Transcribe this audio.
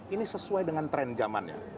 ini sesuai dengan tren zamannya